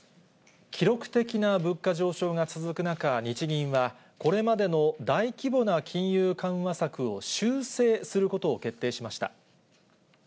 記録的な物価上昇が続く中、日銀は、これまでの大規模な金融緩和策を修正することを決定しました。